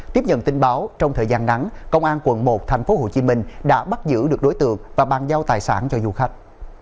tiếp nhận tin báo trong thời gian nắng công an quận một tp hcm đã bắt giữ được đối tượng và bàn giao tài sản cho du khách